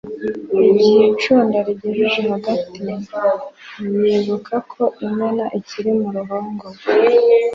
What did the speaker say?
igihe icunda arigejeje hagati, yibuka ko inyana ikiri mu ruhongore